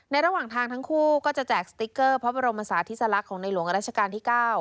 ระหว่างทางทั้งคู่ก็จะแจกสติ๊กเกอร์พระบรมศาสติสลักษณ์ของในหลวงราชการที่๙